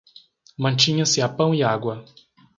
Mantinha-se a pão e água